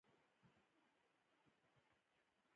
دا علت و چې لیکونه یې ورک شول.